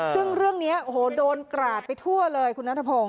ซึ่งเรื่องนี้โอ้โหโดนกราดไปทั่วเลยคุณนัทพงศ